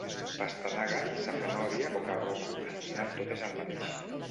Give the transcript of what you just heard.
Pastanaga, safanòria o carrota, al final tot és el mateix.